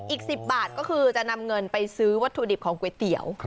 อีก๑๐บาทก็คือจะนำเงินไปซื้อวัตถุดิบของก๋วยเตี๋ยว